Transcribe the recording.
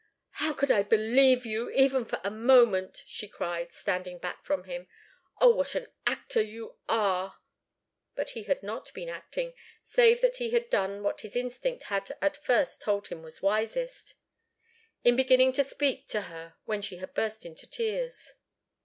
"How could I believe you even for a moment?" she cried, standing back from him. "Oh, what an actor you are!" But he had not been acting, save that he had done what his instinct had at first told him was wisest, in beginning to speak to her when she had burst into tears.